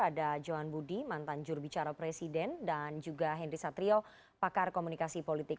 ada johan budi mantan jurubicara presiden dan juga henry satrio pakar komunikasi politik